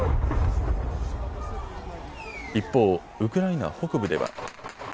一方、ウクライナ北部では。